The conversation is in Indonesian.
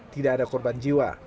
tidak ada korban jiwa